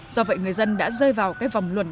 do vậy người dân đã rơi vào cái vòng luẩn